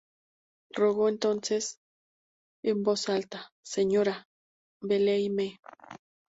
Rogó entonces, en voz alta: "Señora, Valei-me!".